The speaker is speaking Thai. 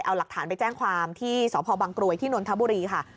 เอาหลักฐานไปแจ้งความที่สพบังกรวยที่นนทบุรีค่ะ